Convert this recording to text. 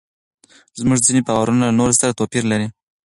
زموږ ځینې باورونه له نورو سره توپیر لري.